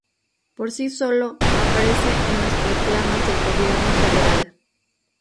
Por sí solo, aparece en las proclamas del gobierno federal.